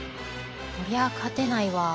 こりゃ勝てないわ。